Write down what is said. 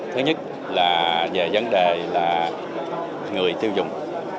thứ nhất là về vấn đề là người tiêu dùng